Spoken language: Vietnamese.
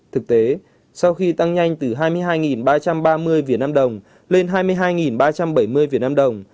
thực tế sau khi tăng nhanh từ hai mươi hai ba trăm ba mươi vnđ lên hai mươi hai ba trăm bảy mươi vnđ